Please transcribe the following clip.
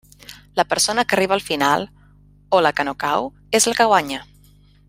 La persona que arriba al final, o la que no cau, és la que guanya.